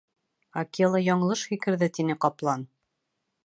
— Акела яңылыш һикерҙе, — тине ҡаплан.